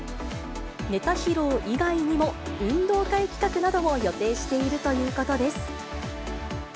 ネタ披露以外にも運動会企画なども予定しているということです。